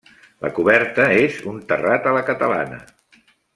La coberta és un terrat a la catalana.